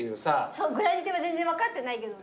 そうグラニテは全然分かってないけどね。